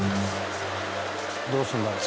どうするんだろう？